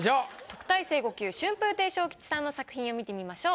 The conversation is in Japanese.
特待生５級春風亭昇吉さんの作品を見てみましょう。